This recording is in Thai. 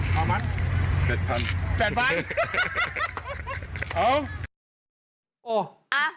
ข่าวมัน